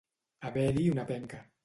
Haver-hi una penca.